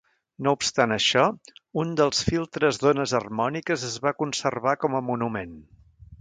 No obstant això, un dels filtres d'ones harmòniques es va conservar com a monument.